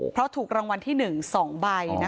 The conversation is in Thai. เพราะถูกรางวัลที่๑๒ใบ